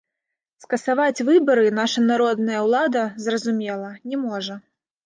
Скасаваць выбары наша народная улада, зразумела, не можа.